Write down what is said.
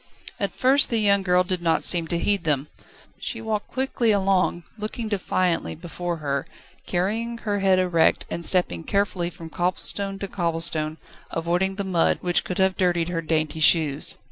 At first the young girl did not seem to heed them. She walked quickly along, looking defiantly before her, carrying her head erect, and stepping carefully from cobblestone to cobblestone, avoiding the mud, which could have dirtied her dainty shoes.